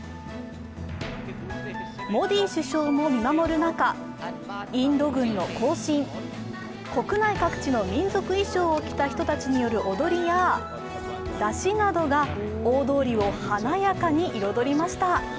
モディ首相も見守る中、インド軍の行進国内各地の民族衣装を着た人たちによる踊りや山車などが大通りを華やかに彩りました。